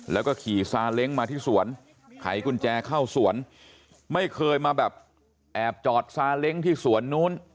แล้วก็ขี่ซาเล้งมาที่สวนไขกุญแจเข้าสวนไม่เคยมาแบบแอบจอดซาเล้งที่สวนนู้น